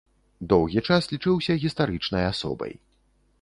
Доўгі час лічыўся гістарычнай асобай.